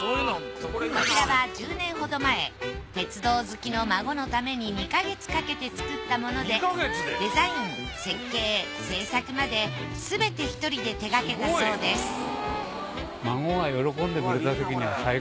こちらは１０年ほど前鉄道好きの孫のために２か月かけて作ったものでデザイン設計製作まですべて一人で手がけたそうです